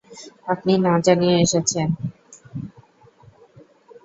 আপনি না জানিয়ে এসেছেন।